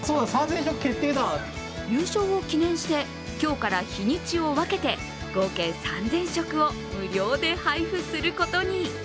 優勝を記念して、今日から日にちを分けて合計３０００食を無料で配布することに。